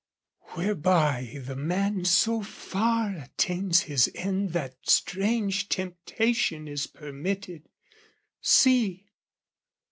Whereby the man so far attains his end That strange temptation is permitted, see!